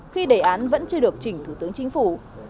khi đề án vẫn chưa được chỉnh thủ tướng chính phủ